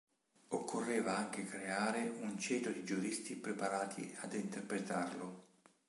Occorreva anche creare un ceto di giuristi preparati ad interpretarlo.